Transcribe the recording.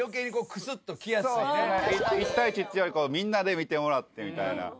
１対１っていうよりこうみんなで見てもらってみたいな。